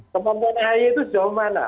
kemampuan ahy itu sejauh mana